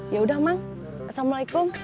yaudah mang assalamualaikum